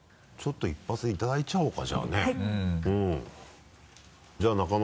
ちょっと一発いただいちゃおうかじゃあね。